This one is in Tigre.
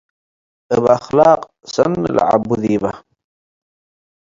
እብ አክላቅ ሰኒ ለዐቡ ዲበ ።